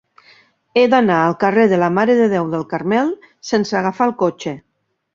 He d'anar al carrer de la Mare de Déu del Carmel sense agafar el cotxe.